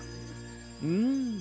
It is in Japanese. うん。